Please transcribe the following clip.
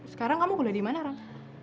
sekarang kamu kuliah di mana kang